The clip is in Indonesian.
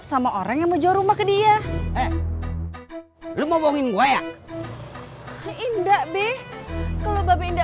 siapa sih yang lagi sendirian kita ganggu